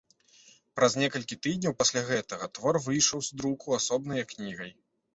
Праз некалькі тыдняў пасля гэтага твор выйшаў з друку асобнае кнігай.